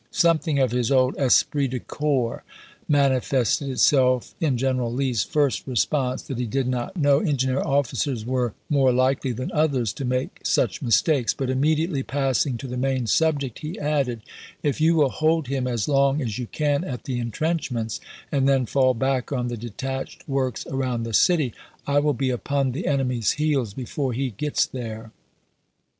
Something of his old esprit de corps mani fested itself in General Lee's first response that he did not know engineer officers were more likely than others to Davis, make such mistakes, but immediately passing to the Fairof^tife main subject, he added, " If you wUl hold him as long as erate Gov y^^ ^^°^*^^® intrcnchmcnts, and then fall back on the ernmciit." detached works around the city, I will be upon the p. 132." enemy's heels before he gets there."